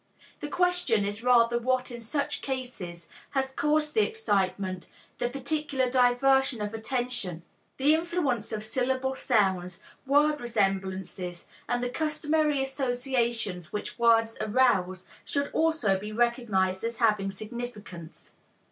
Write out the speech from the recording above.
The question is rather what in such cases has caused the excitement, the particular diversion of attention. The influence of syllable sounds, word resemblances and the customary associations which words arouse should also be recognized as having significance.